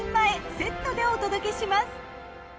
セットでお届けします。